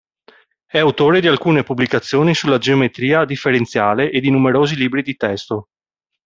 È autore di alcune pubblicazioni sulla geometria differenziale e di numerosi libri di testo.